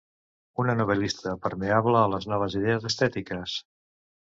Una novel·lista permeable a les noves idees estètiques.